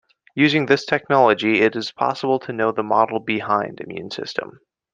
Using this technology it is possible to know the model behind immune system.